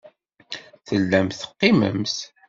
Tellamt teqqimemt.